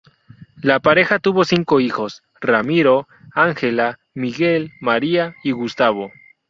La pareja tuvo cinco hijos: Ramiro, Ángela, Miguel, María y Gustavo.